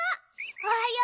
おはよう。